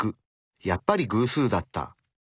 やっぱり偶数だった。